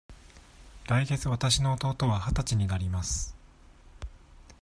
来月わたしの弟は二十歳になります。